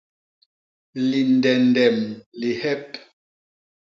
Lindendem lihep.